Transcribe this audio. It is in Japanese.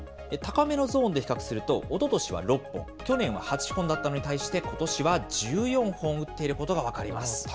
高めのゾーンで比較すると、おととしは６本、去年は８本だったのに対して、ことしは１４本打っていることが分かります。